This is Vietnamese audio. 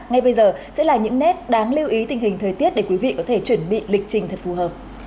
ngay bây giờ sẽ là những nét đáng lưu ý tình hình thời tiết để quý vị có thể chuẩn bị lịch trình thật phù hợp